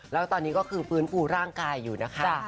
แล้วตอนนี้ก็คือฟื้นฟูร่างกายอยู่นะคะ